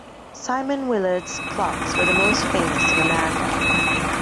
Simon Willard's clocks were the most famous in America.